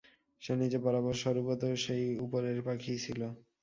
সে নিজে বরাবর স্বরূপত সেই উপরের পাখীই ছিল।